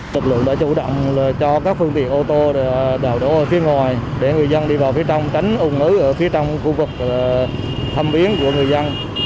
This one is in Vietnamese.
lực lượng đã chủ động cho các phương tiện ô tô đào đổ ở phía ngoài để người dân đi vào phía trong tránh ung ứ ở phía trong khu vực thâm yến của người dân